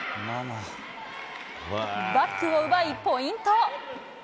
バックを奪いポイント。